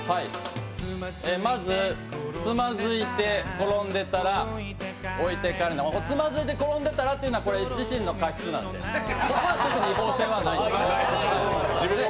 まず、躓いて転んでたら置いてかれる躓いて転んでたらというのは自身の過失なんでここは特に違法性はないんです。